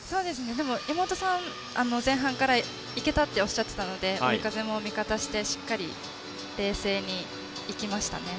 山本さんは前半からいけたとおっしゃっていたので追い風も味方してしっかり冷静にいきましたね。